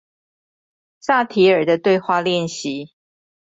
薩提爾的對話練習